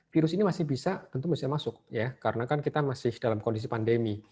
virus ini masih bisa masuk karena kita masih dalam kondisi pandemi